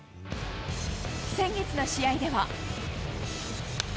先月の試合では。